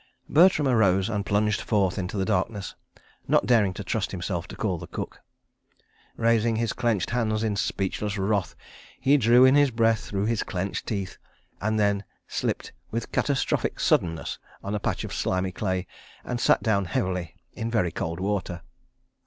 Bertram arose and plunged forth into the darkness, not daring to trust himself to call the cook. Raising his clenched hands in speechless wrath, he drew in his breath through his clenched teeth—and then slipped with catastrophic suddenness on a patch of slimy clay and sat down heavily in very cold water.